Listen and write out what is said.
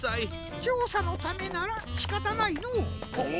ちょうさのためならしかたないのう。